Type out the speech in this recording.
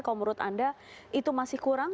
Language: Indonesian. kalau menurut anda itu masih kurang